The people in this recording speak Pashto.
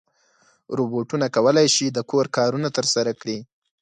روبوټونه کولی شي د کور کارونه ترسره کړي.